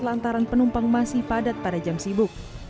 lantaran penumpang masih padat pada jam sibuk